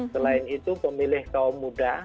selain itu pemilih kaum muda